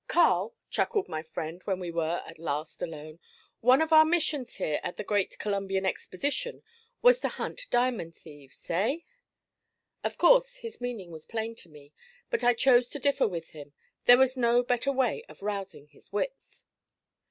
'Carl,' chuckled my friend when we were at last alone, 'one of our missions here at the great Columbian Exposition was to hunt diamond thieves eh!' Of course his meaning was plain to me, but I chose to differ with him; there was no better way of rousing his wits.